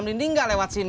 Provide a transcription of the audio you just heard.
cukup dengan kemanin